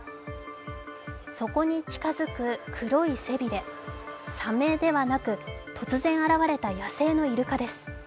そこに近づく黒い背びれ、サメではなく、突然現れた野生のイルカです。